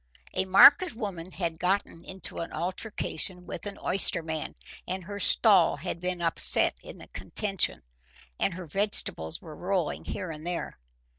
A market woman had got into an altercation with an oysterman, and her stall had been upset in the contention, and her vegetables were rolling here and there.